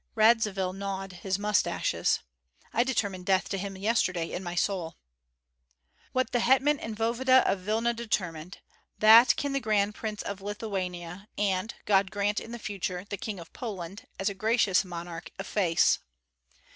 Radzivill gnawed his mustaches. "I determined death to him yesterday in my soul." "What the hetman and voevoda of Vilna determined, that can the Grand Prince of Lithuania and, God grant in the future, the King of Poland, as a gracious monarch, efface."